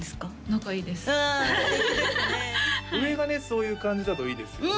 そういう感じだといいですよね